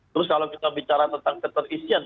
terus kalau kita bicara tentang keterisian